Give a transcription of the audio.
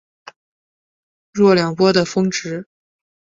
若两波的波峰。